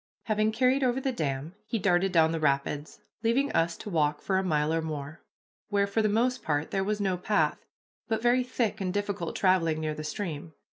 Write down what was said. Having carried over the dam, he darted down the rapids, leaving us to walk for a mile or more, where for the most part there was no path, but very thick and difficult traveling near the stream.